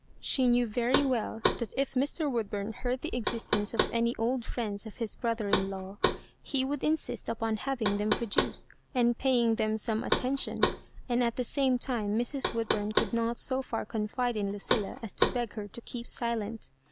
She knew very well that if Mr. Woodbum heard of the existence of any old friends of his brotiier in law, he would insist upon having them produced, and '* paying them some attention;" and at the same time Mrs. Woodbum could not so &r confide in Lucilla as to beg her to keep silent.